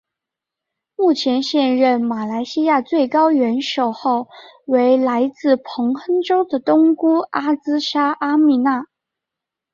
目前现任马来西亚最高元首后为来自彭亨州的东姑阿兹纱阿蜜娜。